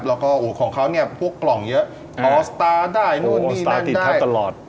แล้วก็ของเขาเนี่ยพวกกล่องเยอะออสตาร์ได้นู่นนี่นั่นได้